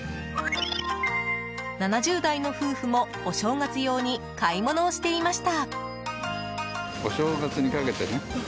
７０代の夫婦もお正月用に買い物をしていました。